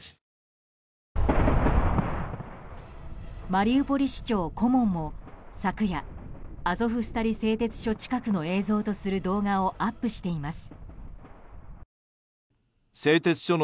マリウポリ市長顧問も昨夜アゾフスタリ製鉄所近くの映像とする動画をアップしています。